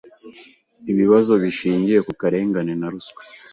ibibazo bishingiye ku karengane na ruswa.